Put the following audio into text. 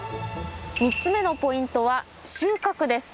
３つ目のポイントは収穫です。